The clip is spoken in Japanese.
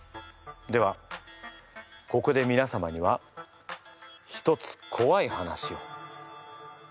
ではここでみなさまにはひとつこわい話を。